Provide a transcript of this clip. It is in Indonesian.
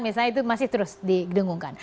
misalnya itu masih terus didengungkan